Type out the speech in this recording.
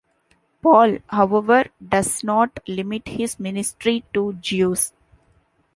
Paul, however, does not limit his ministry to Jews.